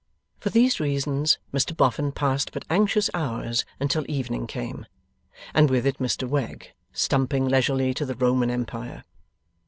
For these reasons Mr Boffin passed but anxious hours until evening came, and with it Mr Wegg, stumping leisurely to the Roman Empire.